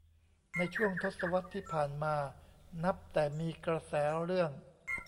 ในช่วงทศวรรษที่ผ่านมานับแต่มีกระแสเรื่อง